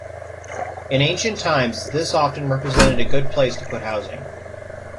In ancient times this often represented a good place to put housing.